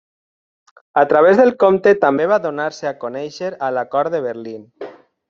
A través del comte, també va donar-se a conèixer a la cort de Berlín.